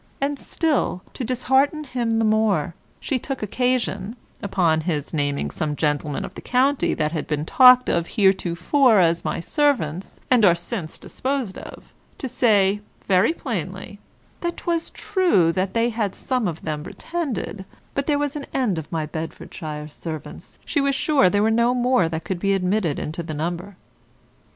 And still to dishearten him the more, she took occasion (upon his naming some gentlemen of the county that had been talked of heretofore as of my servants, and are since disposed of) to say (very plainly) that 'twas true they had some of them pretended, but there was an end of my Bedfordshire servants she was sure there were no more that could be admitted into the number.